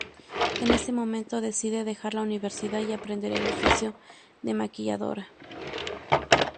En ese momento decide dejar la universidad y aprender el oficio de maquilladora.